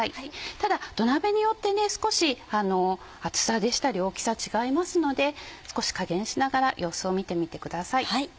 ただ土鍋によって厚さでしたり大きさ違いますので少し加減しながら様子を見てみてください。